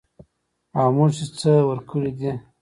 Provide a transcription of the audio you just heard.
او موږ چې څه ورکړي دي